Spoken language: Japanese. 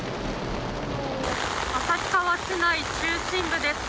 旭川市内中心部です。